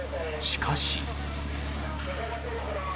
しかし。